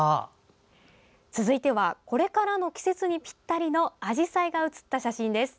続いてはこれからの季節にぴったりのあじさいが写った写真です。